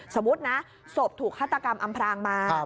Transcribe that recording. สมมุตินะศพถูกฆาตกรรมอำพรางมา